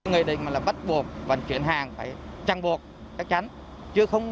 người định là bắt buộc vận chuyển hàng phải chặn buộc chắc chắn